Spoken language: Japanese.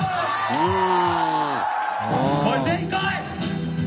うん。